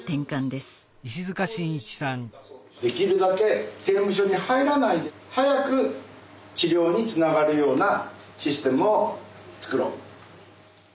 できるだけ刑務所に入らないで早く治療につながるようなシステムを作ろう。